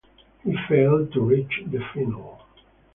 He failed to reach the final.